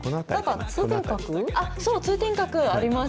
そう、通天閣あります。